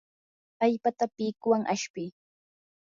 allpata pikuwan ashpii.